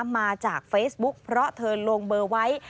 มาจากเฟซบุ๊คเพราะเธอลงเบอร์ไว้